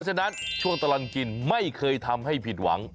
ฉะนั้นช่วงตลอดกินไม่เคยทำให้ผิดหวัง